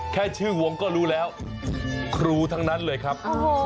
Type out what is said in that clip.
แค่ชื่อวงก็รู้แล้วครูทั้งนั้นเลยครับ